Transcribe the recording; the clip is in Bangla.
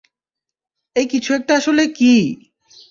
এই কিছু একটা আসলে কী?